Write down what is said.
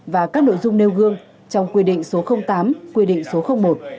và các nội dung nêu gương trong quy định số tám quy định số một